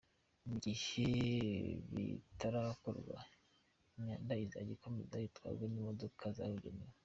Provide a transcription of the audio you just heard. Mu gihe bitarakorwa imyanda izajya ikomeza itwarwe n’imodoka zabugenewe.